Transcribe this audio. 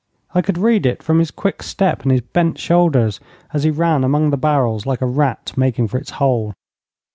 I could read it from his quick step and his bent shoulders as he ran among the barrels, like a rat making for its hole.